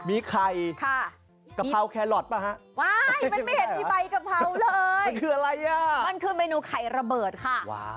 มีไข่กะเพราแครอทป่ะฮะไม่มันไม่เห็นในใบกะเพราเลยมันคือเมนูไข่ระเบิดค่ะ